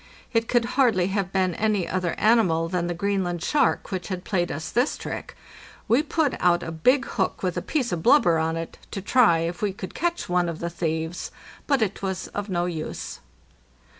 It could hardly have been any other animal than the Greenland shark which had plaved us this trick. We put out a big hook with a piece of blubber on it, to try if we could catch one of the thieves, but it was of no use.